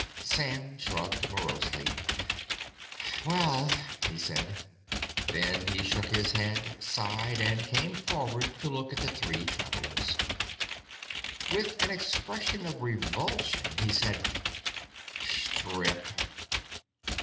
Sam shrugged morosely. "Well——" he said. Then he shook his head, sighed, and came forward to look at the three travelers. With an expression of revulsion he said, "Strip."